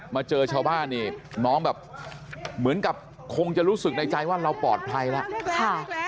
มาเจอชาวบ้านนี่น้องแบบเหมือนกับคงจะรู้สึกในใจว่าเราปลอดภัยแล้ว